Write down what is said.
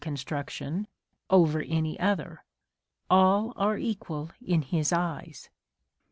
construction over any other : all are equal in his eyes.